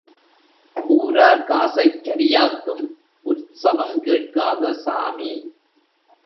ஊரார் காசைக் கரியாக்கும் உற்சவம் கேட்காத சாமி!